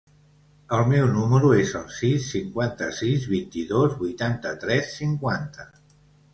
El meu número es el sis, cinquanta-sis, vint-i-dos, vuitanta-tres, cinquanta.